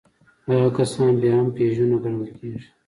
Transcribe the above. هغه کسان بيا هم پيژو نه ګڼل کېږي.